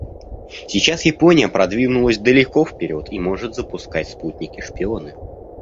Сейчас Япония продвинулась далеко вперед и может запускать спутники-шпионы.